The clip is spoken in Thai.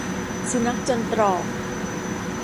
สุนัขจนตรอก